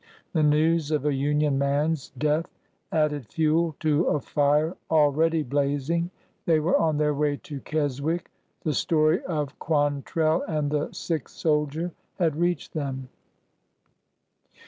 The news of a Union man's death added fuel to a fire already blazing. They were on their way to Keswick. The story of Quantrell and the sick soldier had reached them.